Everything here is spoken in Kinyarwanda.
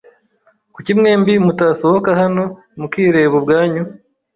Kuki mwembi mutasohoka hano mukireba ubwanyu?